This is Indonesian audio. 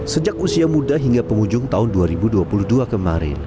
sejak usia muda hingga penghujung tahun dua ribu dua puluh dua kemarin